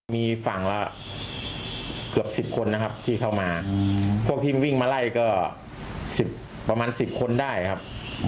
มีฝั่งละเกือบ๑๐คนนะครับที่เข้ามาพวกที่มันวิ่งมาไล่ก็๑๐ประมาณ๑๐คนได้ครับ